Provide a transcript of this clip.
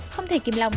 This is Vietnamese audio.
không thể kìm lòng